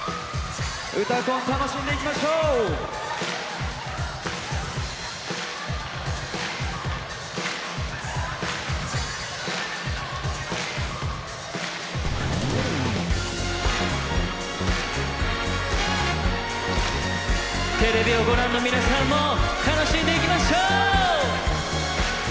「うたコン」楽しんでいきましょう！テレビをご覧の皆さんも楽しんでいきましょう！